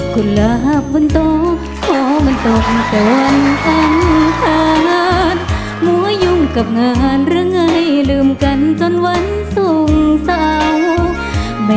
ขอบคุณครับ